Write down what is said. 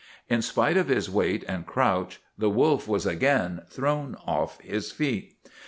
In spite of his weight and crouch the wolf was again thrown off his feet.